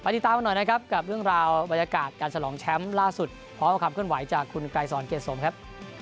ติดตามกันหน่อยนะครับกับเรื่องราวบรรยากาศการฉลองแชมป์ล่าสุดพร้อมกับความเคลื่อนไหวจากคุณไกรสอนเกรดสมครับ